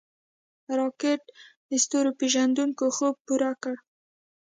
راکټ د ستورپیژندونکو خوب پوره کړ